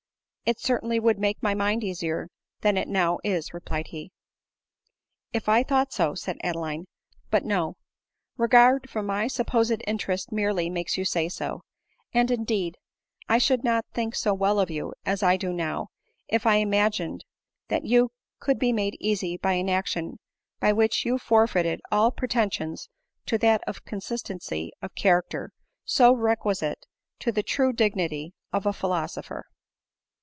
"It certainly would make my mind easier than it now is," replied he. " If I thought so," said Adeline ;" but no — regard for my supposed interest merely makes you say so; and indeed I should not think so well of you as I now do, if I imagined that you could be made easy by an action by which you forfeited all pretensions to that of consistency of character so requisite to the true dignity of a philoso pher.'